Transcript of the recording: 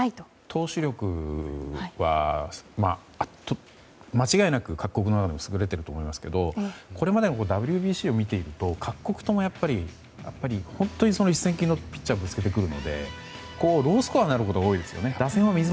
投手力は間違いなく各国の中でも優れていると思いますがこれまでＷＢＣを見ていると各国とも本当にいいピッチャーをぶつけてくるのでロースコアになることが多いですよね。